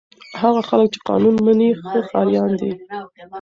هغه خلک چې قانون مني ښه ښاریان دي.